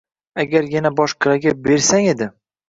Agar yana boshqalarga bersang edi